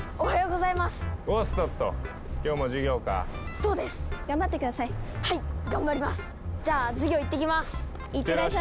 はい！